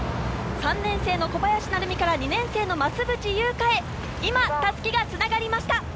３年生の小林成美から２年生の増渕祐香へ今、襷が繋がりました。